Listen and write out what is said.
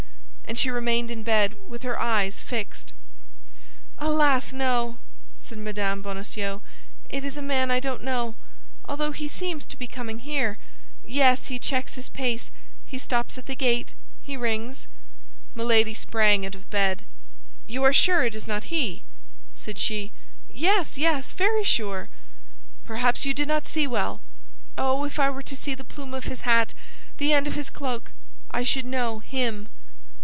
And she remained in bed with her eyes fixed. "Alas, no!" said Mme. Bonacieux; "it is a man I don't know, although he seems to be coming here. Yes, he checks his pace; he stops at the gate; he rings." Milady sprang out of bed. "You are sure it is not he?" said she. "Yes, yes, very sure!" "Perhaps you did not see well." "Oh, if I were to see the plume of his hat, the end of his cloak, I should know _him!